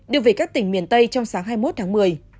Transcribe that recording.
đưa về các tỉnh miền tây trong sáng hai mươi một tháng một mươi